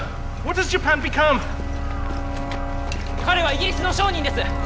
彼はイギリスの商人です。